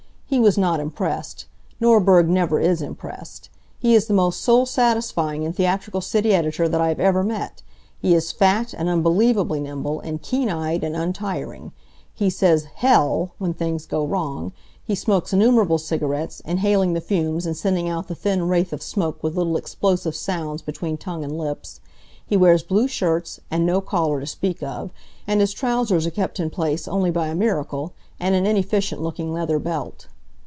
He was not impressed. Norberg never is impressed. He is the most soul satisfying and theatrical city editor that I have ever met. He is fat, and unbelievably nimble, and keen eyed, and untiring. He says, "Hell!" when things go wrong; he smokes innumerable cigarettes, inhaling the fumes and sending out the thin wraith of smoke with little explosive sounds between tongue and lips; he wears blue shirts, and no collar to speak of, and his trousers are kept in place only by a miracle and an inefficient looking leather belt.